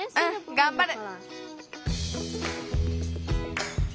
がんばる。